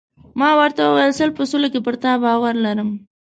ما ورته وویل: سل په سلو کې پر تا باور لرم.